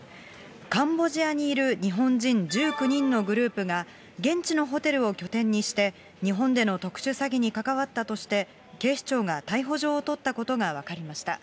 カンボジアにいる日本人１９人のグループが、現地のホテルを拠点にして日本での特殊詐欺に関わったとして、警視庁が逮捕状を取ったことが分かりました。